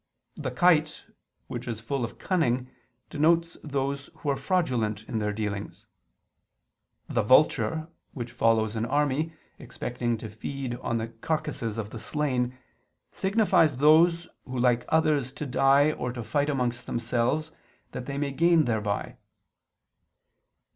The kite, which is full of cunning, denotes those who are fraudulent in their dealings. The vulture, which follows an army, expecting to feed on the carcases of the slain, signifies those who like others to die or to fight among themselves that they may gain thereby.